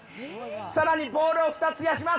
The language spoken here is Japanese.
さらにボールを２つ増やします。